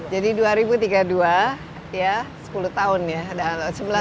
jadi dua ribu tiga puluh dua ya sepuluh tahun ya